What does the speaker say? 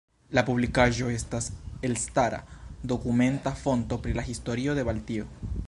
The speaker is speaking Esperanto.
La publikaĵo estas elstara dokumenta fonto pri la historio de Baltio.